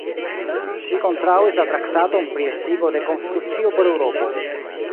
Ŝi kontraŭis la Traktaton pri Estigo de Konstitucio por Eŭropo.